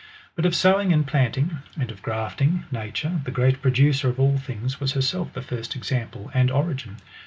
But of sowing and planting,^ and of grafting, nature, the great producer of all things, was herself the first example and origin.